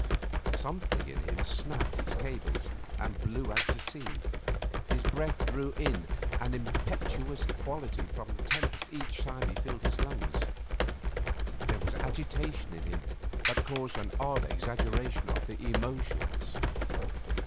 Something in him snapped its cables and blew out to sea. His breath drew in an impetuous quality from the tempest each time he filled his lungs. There was agitation in him that caused an odd exaggeration of the emotions.